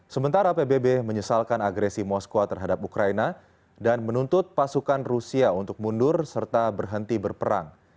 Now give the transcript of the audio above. sementara pbb menyesalkan agresi moskwa terhadap ukraina dan menuntut pasukan rusia untuk mundur serta berhenti berperang